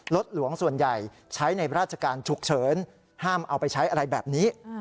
หลวงส่วนใหญ่ใช้ในราชการฉุกเฉินห้ามเอาไปใช้อะไรแบบนี้